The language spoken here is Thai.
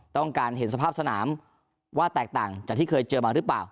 ต้องการเห็นสภาพสนามว่าแตกต่างจากที่เคยเจอมาหรือเปล่า